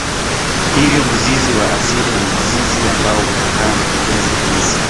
Hivyo mzizi wa asili ni mzizi ambao hutokana na kitenzi halisi.